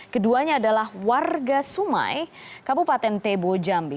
keduanya adalah warga sungai kabupaten tebo jambi